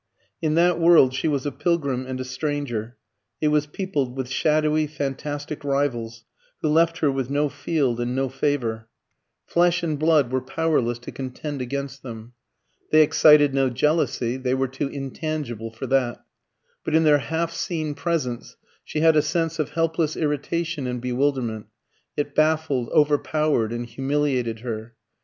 In that world she was a pilgrim and a stranger; it was peopled with shadowy fantastic rivals, who left her with no field and no favour; flesh and blood were powerless to contend against them. They excited no jealousy they were too intangible for that; but in their half seen presence she had a sense of helpless irritation and bewilderment it baffled, overpowered, and humiliated her.